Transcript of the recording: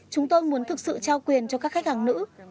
chúng tôi muốn thực sự trao quyền cho các khách hàng nữ